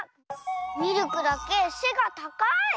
ミルクだけせがたかい！